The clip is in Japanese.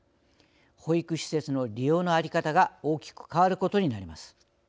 保育施設の利用の在り方が大きく変わるとしています。